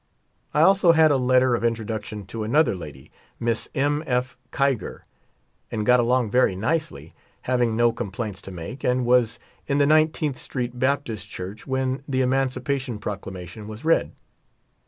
I also had a letter of introduction to another lad}', Miss M. F. Kiger, and got along very nicely, having no complaints to make, and was in the Nineteenth Street Baptist Church when the emancipation proclamation was read.